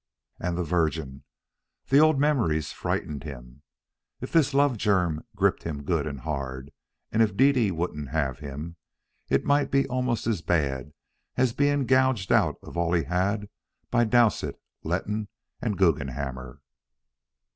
And the Virgin.... The old memories frightened him. If this love germ gripped him good and hard, and if Dede wouldn't have him, it might be almost as bad as being gouged out of all he had by Dowsett, Letton, and Guggenhammer.